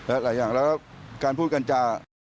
อะไรอย่างแล้วการพูดกันจ้า